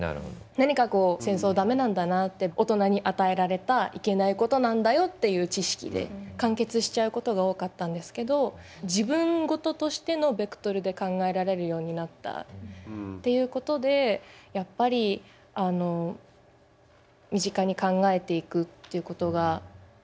何かこう戦争駄目なんだなって大人に与えられたいけないことなんだよっていう知識で完結しちゃうことが多かったんですけど自分ごととしてのベクトルで考えられるようになったっていうことでやっぱりあの身近に考えていくっていうことが。